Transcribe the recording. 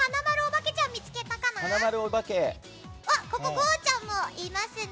ゴーちゃん。もいますね！